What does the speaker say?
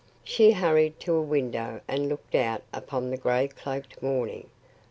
She hurried to a window and looked out upon the gray cloaked morning.